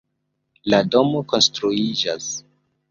La domo konstruiĝas.